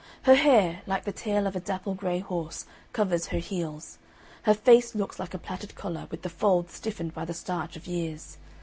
Her hair, like the tail of a dapple grey horse, covers her heels; her face looks like a plaited collar, with the folds stiffened by the starch of years.